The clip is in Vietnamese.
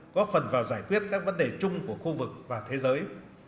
góp phần vào giải quyết các vấn đề chung của khu vực và thế giới